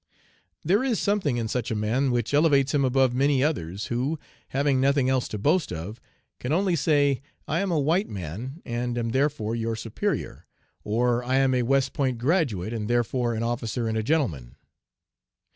"There is something in such a man which elevates him above many others who, having nothing else to boast of, can only say, 'I am a white man, and am therefore your superior,' or 'I am a West Point graduate, and therefore an officer and a gentleman.'